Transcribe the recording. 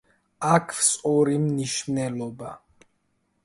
აქვს ორი მნიშვნელობა.